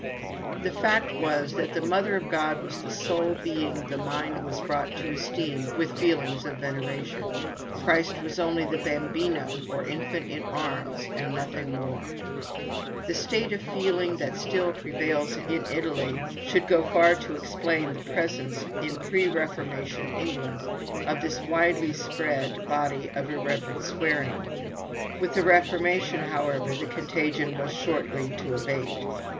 The fact was that the Mother of God was the sole being the mind was brought to esteem with feelings of veneration. Christ was only the bambino, or infant in arms, and nothing more. The state of feeling that still prevails in Italy should go far to explain the presence in pre Reformation England of this widely spread body of irreverent swearing. With the Reformation, however, the contagion was shortly to abate.